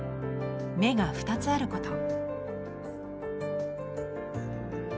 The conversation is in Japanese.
「目が２つあること」。